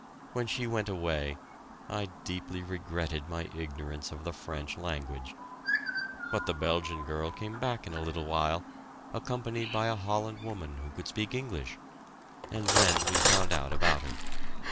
When she went away, I deeply regretted my ignorance of the French language. But the Belgian girl came back in a little while, accompanied by a Holland woman who could speak English, and then we found out about her.